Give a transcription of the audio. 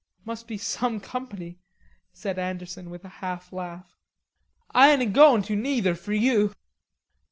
Must be some company!" said Anderson with a half laugh. "Ah ain't agoin' to neither, fur you."